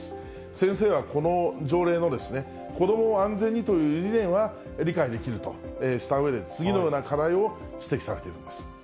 先生はこの条例のですね、子どもを安全にという理念は、理解できるとしたうえで、次のような課題を指摘されているんです。